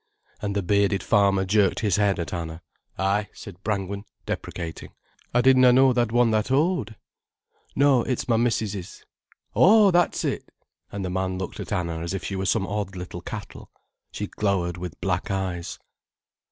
—and the bearded farmer jerked his head at Anna. "Ay," said Brangwen, deprecating. "I did na know tha'd one that old." "No, it's my missis's." "Oh, that's it!" And the man looked at Anna as if she were some odd little cattle. She glowered with black eyes.